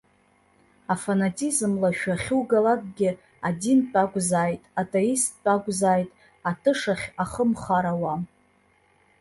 Афанатизм лашәы ахьугалакгьы, адинтә акәзааит, атеисттә акәзааит, атышахь ахы мхар ауам.